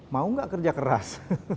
mau gak kerja keras